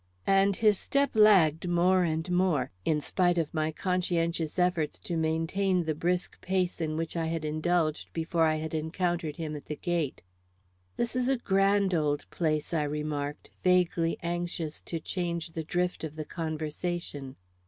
And his step lagged more and more in spite of my conscientious efforts to maintain the brisk pace in which I had indulged before I had encountered him at the gate. "This is a grand old place," I remarked, vaguely anxious to change the drift of the conversation.